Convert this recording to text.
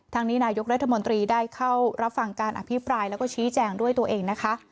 นี้นายกรัฐมนตรีได้เข้ารับฟังการอภิปรายแล้วก็ชี้แจงด้วยตัวเองนะคะ